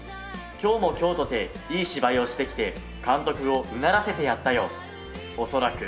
「今日も今日とていい芝居をしてきて監督をうならせてやったよ」「恐らく」